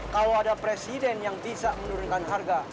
kalau ada presiden yang bisa menurunkan harga